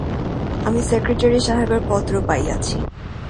আমি সেক্রেটারী সাহেবের পত্র পাইয়াছি।